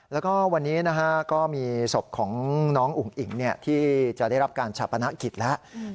แล้วก็วันนี้ก็มีศพของน้องอุ๋งอิ๋งที่จะได้รับการชาปนกิจแล้ว